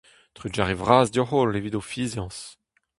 Trugarez vras deoc'h-holl evit ho fiziañs !